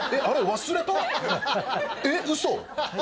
あれ忘れた？